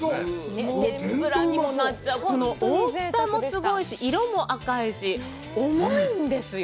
天ぷらにもなっちゃう大きさもすごいし、色も赤いし、重いんですよ。